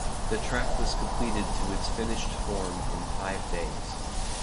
The track was completed to its finished form in five days.